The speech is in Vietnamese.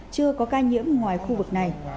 chưa có ca nhiễm ngoài khu vực này